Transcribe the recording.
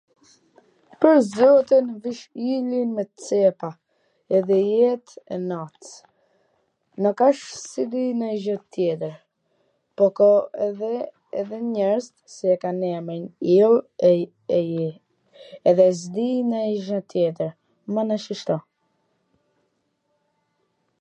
pwr zotin wsht ylli me cepa, edhe yjet e nats, nuk wsht se di nanj gja tjetwr, po ka edhe njerz si e kan emrin ill edhe s di nanj gja tjetwr, mana shshto